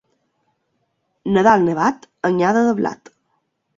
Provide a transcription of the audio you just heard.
Nadal nevat, anyada de blat.